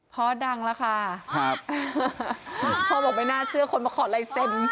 ดังแล้วค่ะครับพ่อบอกไม่น่าเชื่อคนมาขอลายเซ็นต์